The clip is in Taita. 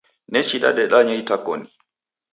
Nechi dadedanya itakoni.